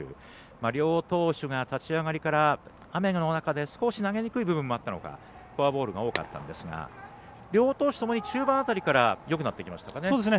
両投手が立ち上がりから雨の中で少し投げにくい部分もあったのかフォアボールが多かったんですが両投手ともに中盤辺りからよくなってきましたかね。